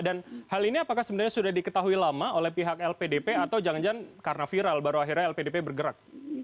dan hal ini apakah sebenarnya sudah diketahui lama oleh pihak lpdp atau jangan jangan karena viral baru akhirnya lpdp bergerak